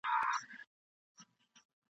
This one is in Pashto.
سړی پوه سو چي له سپي ورکه سوه لاره !.